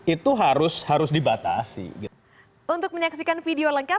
itu harus dibatasi